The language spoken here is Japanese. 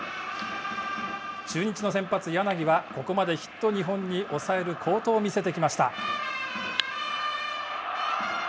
中日の先発柳はここまでヒット２本に抑える好投を見せてきました。